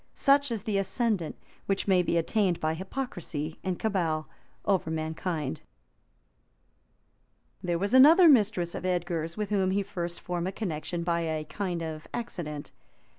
Such is the ascendant which may be attained, by hypocrisy and cabal, over mankind. [* Osberne, p. 111.] There was another mistress of Edgar's, with whom he first formed a connection by a kind of accident.